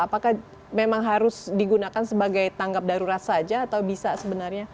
apakah memang harus digunakan sebagai tanggap darurat saja atau bisa sebenarnya